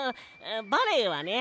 バレエはね